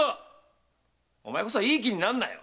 お前こそいい気になんなよ？